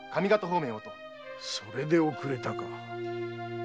それで遅れたか。